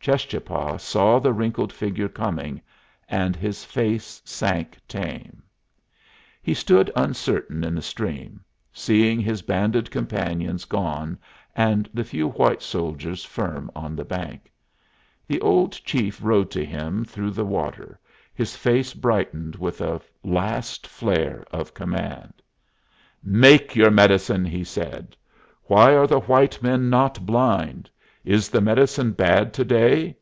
Cheschapah saw the wrinkled figure coming, and his face sank tame. He stood uncertain in the stream, seeing his banded companions gone and the few white soldiers firm on the bank. The old chief rode to him through the water, his face brightened with a last flare of command. "Make your medicine!" he said. "Why are the white men not blind? Is the medicine bad to day?"